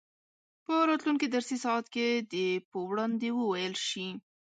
په راتلونکي درسي ساعت کې دې په وړاندې وویل شي.